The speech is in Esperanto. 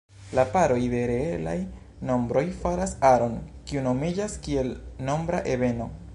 La paroj de reelaj nombroj faras aron, kiu nomiĝas kiel nombra ebeno.